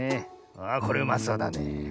ああこれうまそうだねえ。